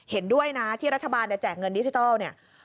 เห็นด้วยนะที่รัฐบาลแจกเงินดิจิทัลเนี่ย